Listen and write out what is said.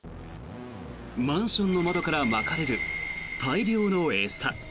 マンションの窓からまかれる大量の餌。